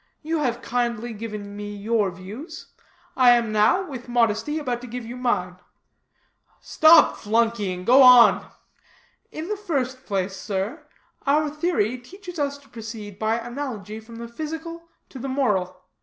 You have kindly given me your views, I am now, with modesty, about to give you mine." "Stop flunkying go on." "In the first place, sir, our theory teaches us to proceed by analogy from the physical to the moral.